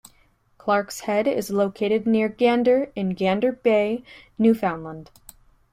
Clarke's Head is located near Gander in Gander Bay, Newfoundland.